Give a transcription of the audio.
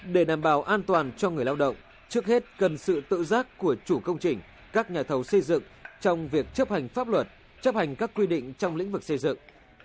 để đảm bảo an toàn cho người lao động trước hết cần sự tự giác của chủ công trình các nhà thầu xây dựng trong việc chấp hành pháp luật chấp hành các quy định trong lĩnh vực xây dựng